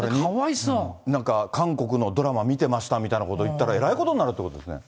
なんか、韓国のドラマ見てましたみたいなこと言ったら、えらいことになるということですね。